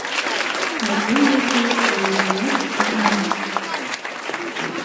— Пагул нерген шонемат, ӧрам.